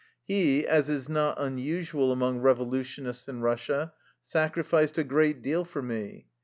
He, as is not unusual among revolutionists in Russia, sacrificed a great deal for me.